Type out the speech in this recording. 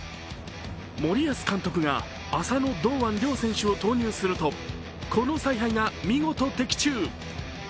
森保監督が浅野・堂安両選手を投入するとこの采配が見事的中。